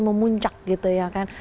memuncak gitu ya kan